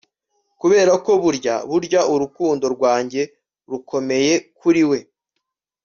kuberako burya burya urukundo rwanjye rukomeye kuri we